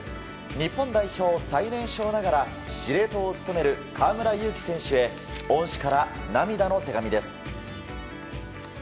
日本代表、最年少ながら司令塔を務める河村勇輝選手へ恩師から涙の手紙です。